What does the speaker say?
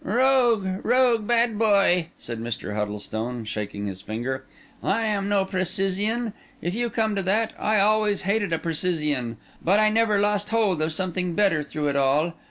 "Rogue, rogue! bad boy!" said Mr. Huddlestone, shaking his finger. "I am no precisian, if you come to that; I always hated a precisian; but I never lost hold of something better through it all.